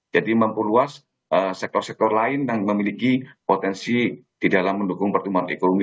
jadi memperluas sektor sektor lain yang memiliki potensi di dalam mendukung pertumbuhan ekonomi